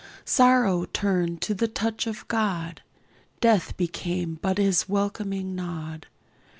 Sorrow turned to the touch of God, Death became but His welcoming nod.